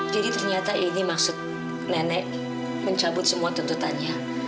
jadi ternyata ini maksud nenek mencabut semua tuntutannya